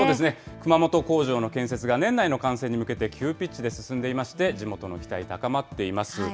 熊本工場の建設が年内の完成に向けて急ピッチで進んでいまして、地元の期待、高まっています。